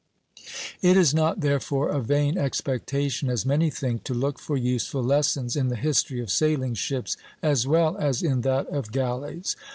It is not therefore a vain expectation, as many think, to look for useful lessons in the history of sailing ships as well as in that of galleys.